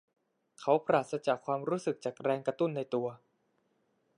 เขาปราศจากความรู้สึกจากแรงกระตุ้นในตัว